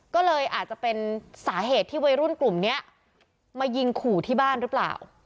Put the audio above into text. ก็เลยอาจจะเป็นสาเหตุที่วัยรุ่นกลุ่มนี้มายิงขู่ที่บ้านหรือเปล่า